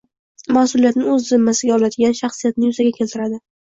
mas’uliyatni o‘z zimmasiga oladigan shaxsiyatni yuzaga keltiradi